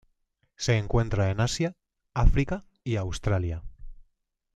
Se encuentra en Asia, África y Australia.